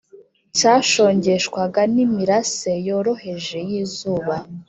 cyashongeshwaga n’imirase yoroheje y’izuba,